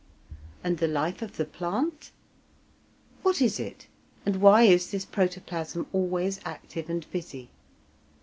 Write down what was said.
And the life of the plant? What is it, and why is this protoplasm always active and busy?